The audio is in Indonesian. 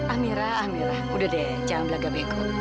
amira amira udah deh jangan berlagak bego